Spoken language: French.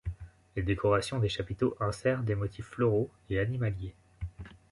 Les décoration des chapiteaux insère des motifs floraux et animaliers.